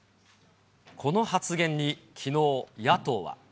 この発言にきのう、野党は。